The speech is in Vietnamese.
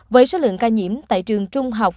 với số lượng ca nhiễm tại trường trung học